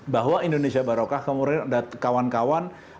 bahwa indonesia barokah kemudian ada kawan kawan